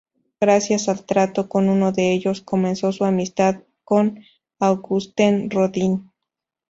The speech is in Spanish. Gracias al trato con uno de ellos, comenzó su amistad con Auguste Rodin.